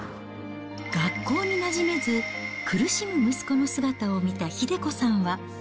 学校になじめず、苦しむ息子の姿を見た英子さんは。